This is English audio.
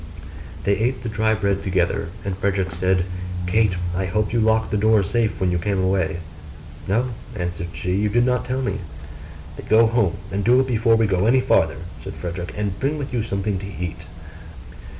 They ate the dry bread together; and Frederick said, 'Kate, I hope you locked the door safe when you came away.' 'No,' answered she, 'you did not tell me.' 'Then go home, and do it now before we go any farther,' said Frederick, 'and bring with you something to eat.